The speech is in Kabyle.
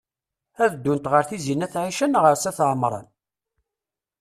Ad ddunt ɣer Tizi n at Ɛica neɣ s at Ɛemṛan?